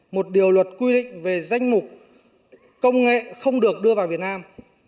một điều luật quy định về danh mục công nghệ không được đưa vào việt nam